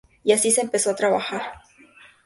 Y así se empezó a trabajar.